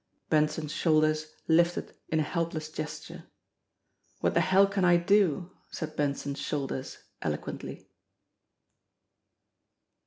Benson's shoulders lifted in a helpless gesture. "What the hell can I do?" said Benson's shoulders elo quently.